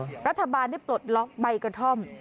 รัฐบาลได้ปลดล็อกใบกระท่อม